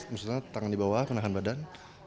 maksudnya tangan di bawah menahan badan